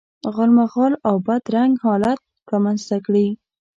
غالمغال او بد رنګ حالت رامنځته کړي.